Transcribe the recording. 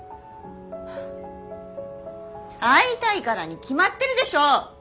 会いたいからに決まってるでしょう！